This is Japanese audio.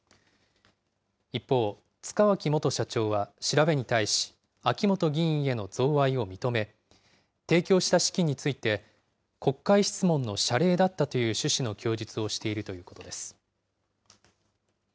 一方、塚脇元社長は調べに対し、秋本議員への贈賄を認め、提供した資金について、国会質問の謝礼だったという趣旨の供述をしているということです。